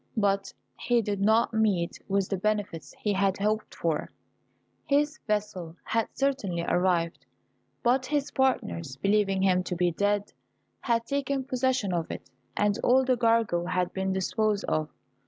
But he did not meet with the benefits he had hoped for. His vessel had certainly arrived; but his partners, believing him to be dead, had taken possession of it, and all the cargo had been disposed of.